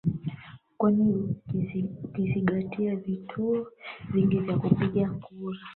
kwani ukizigatia vituo vingi vya kupigia kura